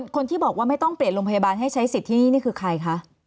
คนที่บอกว่าไม่ต้องเปลี่ยนโรงพยาบาลให้ใช้สิทธิ์ที่นี่คือใครคะ